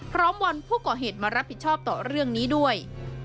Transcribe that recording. วอนผู้ก่อเหตุมารับผิดชอบต่อเรื่องนี้ด้วย